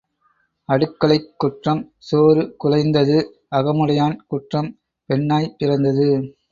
அடுக்களைக் குற்றம் சோறு குழைந்தது அகமுடையான் குற்றம் பெண்ணாய்ப் பிறந்தது.